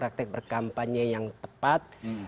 praktek berkampanye yang tepat